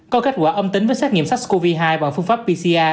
có kết quả âm tính với xét nghiệm sars cov hai bằng phương pháp pcr